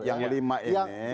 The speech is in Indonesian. yang lima ini